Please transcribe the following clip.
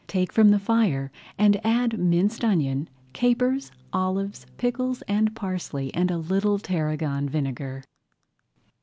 Take from the fire, and add minced onion, capers, olives, pickles, and parsley and a little tarragon vinegar.